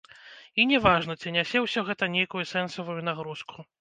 І не важна, ці нясе ўсё гэта нейкую сэнсавую нагрузку.